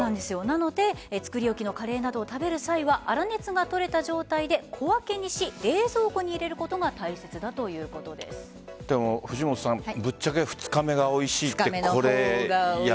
なので作り置きのカレーを食べる際は粗熱が取れた状態で小分けにし冷蔵庫に入れることが藤本さんぶっちゃけ２日目がおいしいって。